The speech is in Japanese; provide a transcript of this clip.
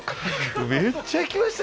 めっちゃ行きました。